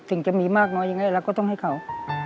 สิ่งจะมีมากน้อยยังไงเราก็ต้องให้เขา